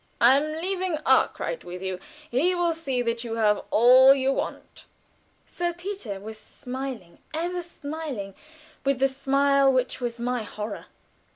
I am leaving Arkwright with you. He will see that you have all you want." Sir Peter was smiling, ever smiling, with the smile which was my horror.